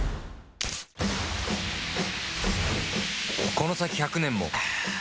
この先１００年もアーーーッ‼